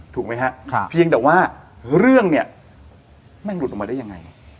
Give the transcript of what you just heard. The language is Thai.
ถูกไหมฮะเพียงแต่ว่าเรื่องเนี่ยแม่งหลุดออกมาได้ยังไง